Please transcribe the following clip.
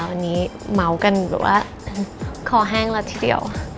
วันนี้เหมาะกันหรือว่าคอแห้งแล้วทีเดียว